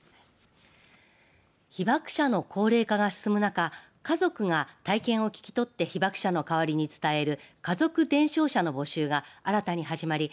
被爆者の高齢化が進む中家族が体験を聞き取って被爆者の代わりに伝える家族伝承者の募集が新たに始まり